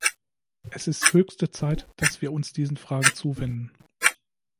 Es ist höchste Zeit, dass wir uns diesen Fragen zuwenden.